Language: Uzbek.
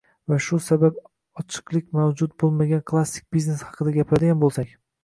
va shu sabab ochiqlik mavjud boʻlmagan klassik biznes haqida gapiradigan boʻlsak.